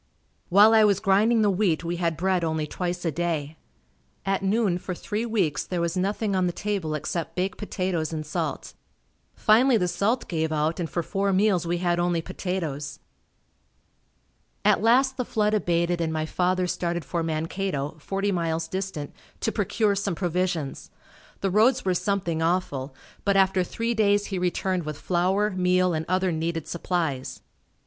While I was grinding the wheat we had bread only twice a day. At noon, for three weeks, there was nothing on the table except baked potatoes and salt. Finally the salt gave out and for four meals we had only potatoes. At last the flood abated and my father started for Mankato, forty miles distant, to procure some provisions. The roads were something awful, but after three days he returned with flour, meal and other needed supplies.